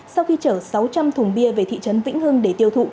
sau khi chở sáu trăm linh thùng bia về thị trấn vĩnh hưng để tiêu thụ